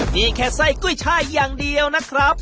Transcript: นี่แค่ไส้กุ้ยช่ายอย่างเดียวนะครับ